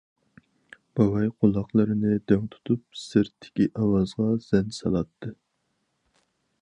بوۋاي قۇلاقلىرىنى دىڭ تۇتۇپ سىرتتىكى ئاۋازغا زەن سالاتتى.